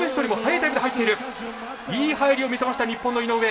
いい入りを見せました日本の井上。